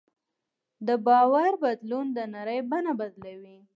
د باور بدلون د نړۍ بڼه بدلوي.